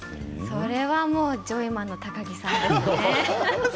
それはジョイマンの高木さんです。